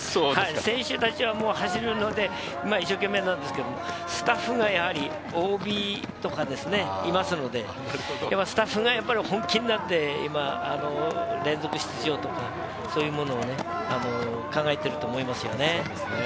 選手たちは走るので一生懸命なんですけど、スタッフがやはりＯＢとかですね、いますので、スタッフが本気になって、連続出場と、そういうものを考えていると思いますよね。